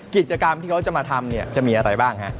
กิจกรรมที่เขาจะมาทำจะมีอะไรบ้างครับ